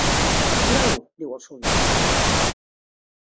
"Prou", diu el soldat.